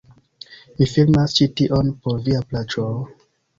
Mi filmas ĉi tion por via plaĉo...